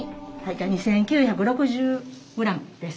２，９６０ｇです。